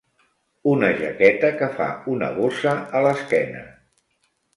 Una jaqueta que fa una bossa a l'esquena.